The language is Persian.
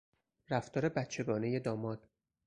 رفتار بچهگانهی داماد